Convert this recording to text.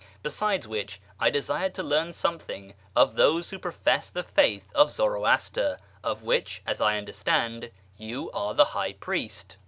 Besides which, I desired to learn something of those who. profess the faith of Zoroaster, of which, as I understand, you are the high priest."